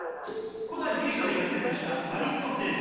古代ギリシアで活躍したアリストテレス。